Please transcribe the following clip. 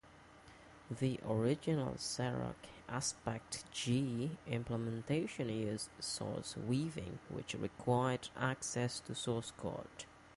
The original Xerox AspectJ implementation used source weaving, which required access to source code.